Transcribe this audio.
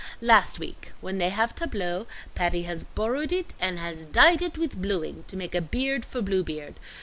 Last week when they have tableaux, Patty has borrowed it and has dyed it with blueing to make a beard for Bluebeard.